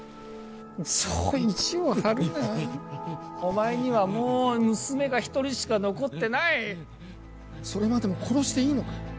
そう意地を張るなお前にはもう娘が一人しか残ってないそれまでも殺していいのか？